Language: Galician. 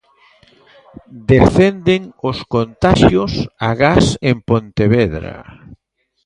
Descenden os contaxios agás en Pontevedra.